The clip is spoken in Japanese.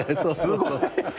すごい。